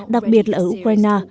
đặc biệt là ở ukraine